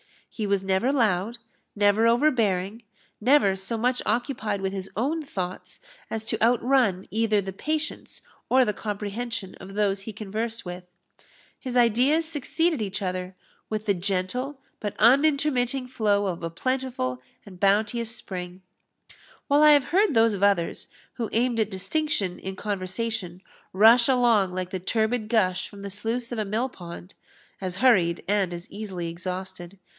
He was never loud, never overbearing, never so much occupied with his own thoughts as to outrun either the patience or the comprehension of those he conversed with. His ideas succeeded each other with the gentle but unintermitting flow of a plentiful and bounteous spring; while I have heard those of others, who aimed at distinction in conversation, rush along like the turbid gush from the sluice of a mill pond, as hurried, and as easily exhausted.